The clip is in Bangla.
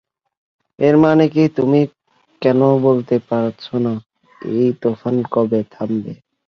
এর মানে কি তুমি কেন বলতে পারছ না এই তুফান কবে থামবে?